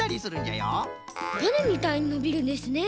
バネみたいにのびるんですねえ。